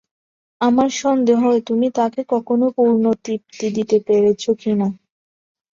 আমার সন্দেহ হয় তুমি তাকে কখনো পূর্ণ তৃপ্তি দিতে পেরেছ কি না।